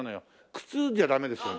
靴じゃダメですよね？